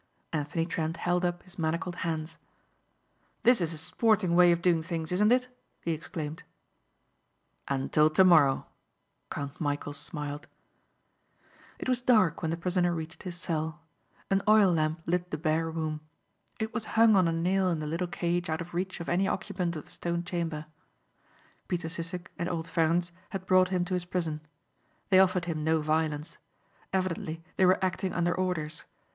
Anthony Trent held up his manacled hands. "This is a sporting way of doing things, isn't it?" he exclaimed. "Until tomorrow," Count Michæl smiled. It was dark when the prisoner reached his cell. An oil lamp lit the bare room. It was hung on a nail in the little cage out of reach of any occupant of the stone chamber. Peter Sissek and old Ferencz had brought him to his prison. They offered him no violence. Evidently they were acting under orders.